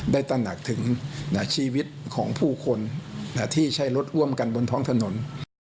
ตระหนักถึงชีวิตของผู้คนที่ใช้รถร่วมกันบนท้องถนน